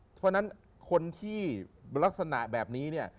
เพราะฉะนั้นคนที่ลักษณะแบบนี้เนี่ย